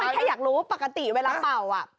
มันแค่อยากรู้ปกติเวลาเป่าเหรอ